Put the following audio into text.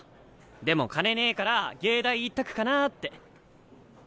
でも金ねぇから藝大一択かなって。